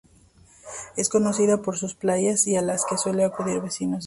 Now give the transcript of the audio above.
Es conocida por sus playas, a las que suelen acudir vecinos de Rabat.